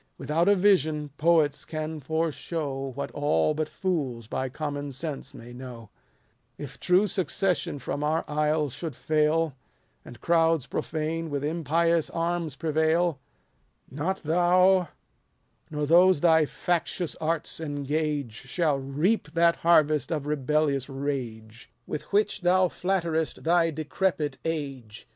Without a vision poets can foreshow What all but fools by common sense may know : If true succession from our isle should fail, And crowds profane with impious arms prevail, 290 Not thou, nor those thy factious arts engage, Shall reap that harvest of rebellious rage. With which thou flatterest thy decrepit age.